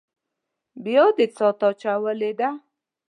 بيا دې څاه ته اچولې ده.